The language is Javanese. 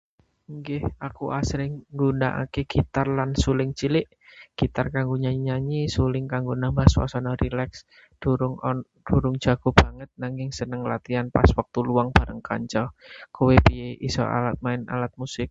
Inggih, aku asring nggunakaké gitar lan suling cilik. Gitar kanggo nyanyi-nyanyi, suling kanggo nambah swasana rilaks. Durung jago banget, nanging seneng latihan pas wektu luang bareng kanca. Kowe piyé, isa main alat musik?